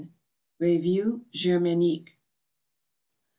Revue Germanique.